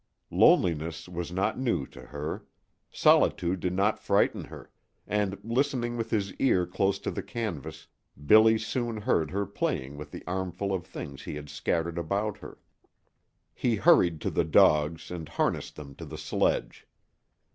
Loneliness was not new to her. Solitude did not frighten her; and, listening with his ear close to the canvas, Billy soon heard her playing with the armful of things he had scattered about her. He hurried to the dogs and harnessed them to the sledge.